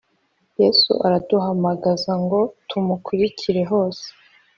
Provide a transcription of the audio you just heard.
Yesu araduhamazgara ngo tumukurikire hose